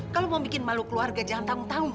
kalau mau bikin malu keluarga jangan tanggung tanggung